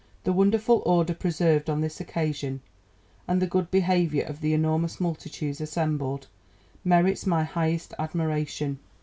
"The wonderful order preserved on this occasion, and the good behaviour of the enormous multitudes assembled, merits my highest admiration.